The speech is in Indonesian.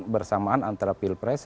bersamaan antara pilpres